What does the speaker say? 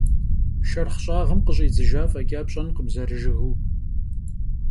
Şşerxh ş'ağım khış'idzıjja f'eç'a pş'enkhım zerı jjıgıu.